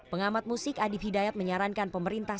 pengamat musik adib hidayat menyarankan pemerintah